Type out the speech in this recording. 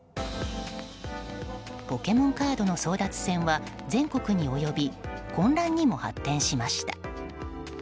ポケモンカードの争奪戦は全国に及び混乱にも発展しました。